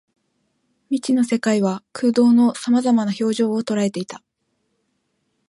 未知の世界は空洞の様々な表情を捉えていた